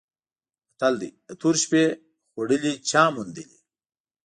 متل دی: د تورې شپې خوړلي چا موندلي؟